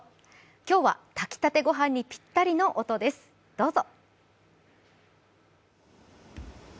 今日は炊きたてご飯にぴったりな音です、どうぞ。